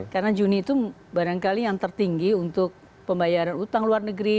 karena juni itu barangkali yang tertinggi untuk pembayaran utang luar negeri